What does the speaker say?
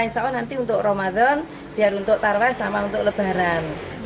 insya allah nanti untuk ramadan biar untuk tarwah sama untuk lebaran